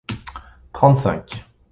trente-cinq